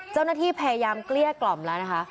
เจ้าหน้าที่พยายามเกลี้ยกล่อมแล้วนะคะ